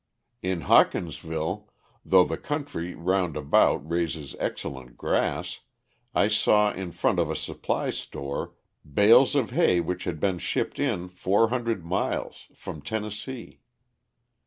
In Hawkinsville, though the country round about raises excellent grass, I saw in front of a supply store bales of hay which had been shipped in 400 miles from Tennessee.